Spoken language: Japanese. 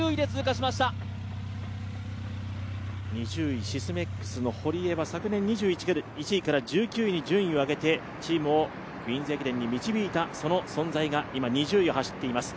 ２０位、シスメックスの堀井は昨年順位を上げてチームをクイーンズ駅伝に導いたその存在が今、２０位を走っています